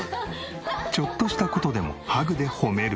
ちょっとした事でもハグで褒める。